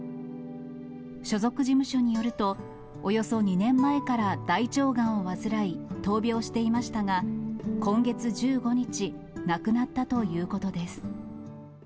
所属事務所によると、およそ２年前から大腸がんを患い、闘病していましたが、今月１５日、亡くなったということです。